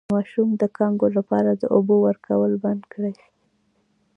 د ماشوم د کانګو لپاره د اوبو ورکول بند کړئ